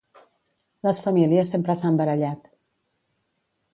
Les famílies sempre s’han barallat.